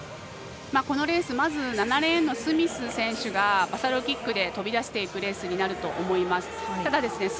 このレースまずは７レーンのスミス選手がバサロキックで飛び出していくレースになると思います。